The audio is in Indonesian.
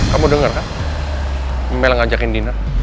kamu denger kan mel ngajakin diner